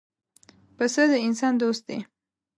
پسه د انسان دوست دی.